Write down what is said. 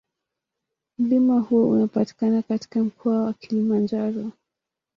Mlima huo unapatikana katika Mkoa wa Kilimanjaro.